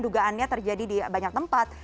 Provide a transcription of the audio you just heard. dugaannya terjadi di banyak tempat